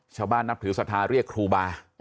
ชาวบ้านนับถือสถาเรียกครูบา